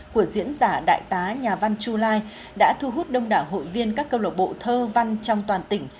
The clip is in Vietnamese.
của diễn giả đại tá nhà văn chu lai đã thu hút đông đảng hội viên các cơ lộc bộ thơ văn trong toàn tỉnh